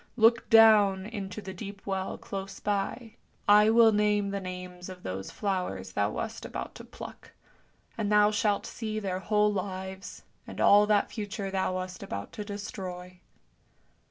Look down into the deep well close by, I will name the names of those flowers thou wast about to pluck, and thou shalt see their whole lives, and all that future thou wast about to destroy."